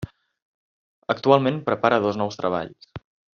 Actualment, prepara dos nous treballs.